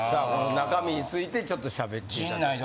中身についてちょっとしゃべっていただいて。